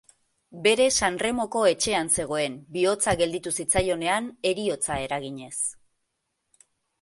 Bere Sanremoko etxean zegoen, bihotza gelditu zitzaionean, heriotza eraginez.